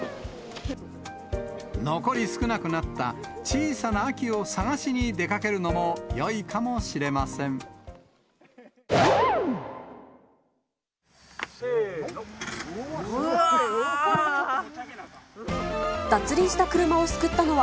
残り少なくなった小さな秋を探しに出かけるのもよいかもしれせーの。